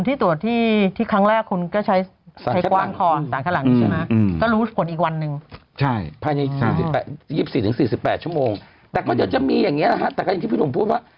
แต่ก็จะมีอย่างงี้แต่ก็อย่างที่พี่หนุ่มพูดว่า